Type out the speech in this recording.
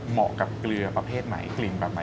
เหมาะกับเกลือประเภทไหนกลิ่นแบบไหน